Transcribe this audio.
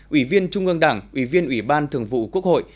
ủy viên trung ương đảng ủy viên ủy ban thường vụ quốc hội